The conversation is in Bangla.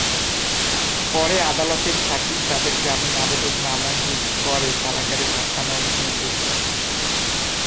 পরে আদালতের হাকিম তাঁদের জামিন আবেদন নামঞ্জুর করে কারাগারে পাঠানো নির্দেশ দেন।